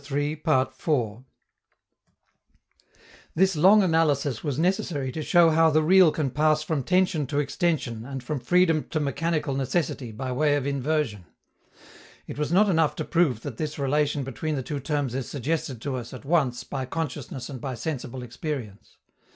This long analysis was necessary to show how the real can pass from tension to extension and from freedom to mechanical necessity by way of inversion. It was not enough to prove that this relation between the two terms is suggested to us, at once, by consciousness and by sensible experience.